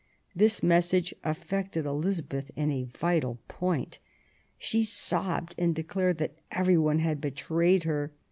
This message affected Elizabeth in a vital point. She sobbed and declared that every one had betrayed her.